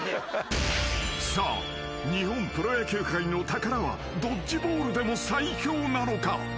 ［さあ日本プロ野球界の宝はドッジボールでも最強なのか？］